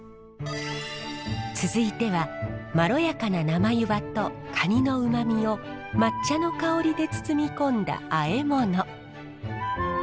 続いてはまろやかな生湯葉とカニのうまみを抹茶の香りで包み込んだあえ物。